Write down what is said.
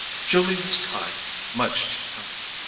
Julia was kind, much too kind!